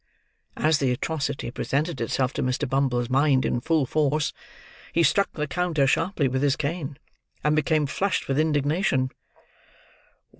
As the atrocity presented itself to Mr. Bumble's mind in full force, he struck the counter sharply with his cane, and became flushed with indignation.